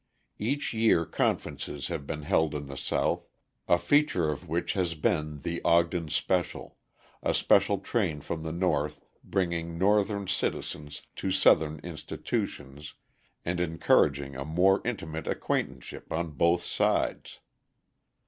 Each year conferences have been held in the South, a feature of which has been the "Ogden Special" a special train from the North bringing Northern citizens to Southern institutions and encouraging a more intimate acquaintanceship on both sides.